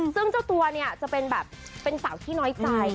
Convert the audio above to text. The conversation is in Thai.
ซึ่งเจ้าตัวเนี่ยจะเป็นแบบเป็นสาวที่น้อยใจ